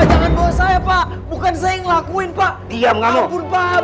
ambo saya pak bukan saya ngelakuin pak diam kamu